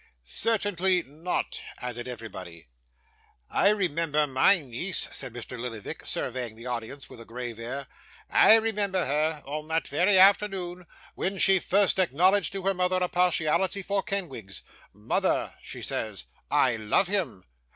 'Certainly not,' added everybody. 'I remember my niece,' said Mr. Lillyvick, surveying his audience with a grave air; 'I remember her, on that very afternoon, when she first acknowledged to her mother a partiality for Kenwigs. "Mother," she says, "I love him."